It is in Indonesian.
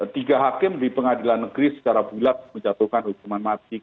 tiga hakim di pengadilan negeri secara bulat menjatuhkan hukuman mati